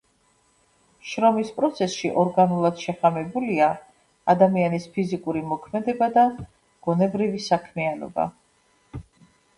შრომის პროცესში ორგანულად შეხამებულია ადამიანის ფიზიკური მოქმედება და გონებრივი საქმიანობა.